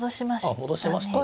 戻しましたね。